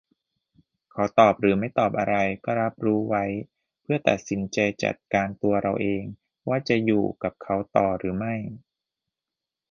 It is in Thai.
เขาตอบหรือไม่ตอบอะไร ก็รับรู้ไว้ เพื่อตัดสินใจจัดการตัวเราเอง ว่าจะ"อยู่"กับเขาต่อหรือไม่